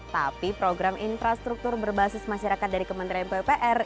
tapi program infrastruktur berbasis masyarakat dari kementerian pupr